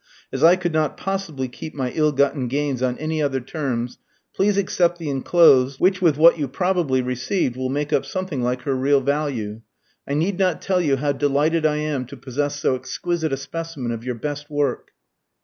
As I could not possibly keep my ill gotten gains on any other terms, please accept the enclosed, which with what you probably received will make up something like her real value. I need not tell you how delighted I am to possess so exquisite a specimen of your best work."